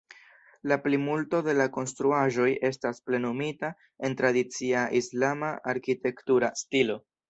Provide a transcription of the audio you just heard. La plimulto de la konstruaĵoj estas plenumita en tradicia islama arkitektura stilo.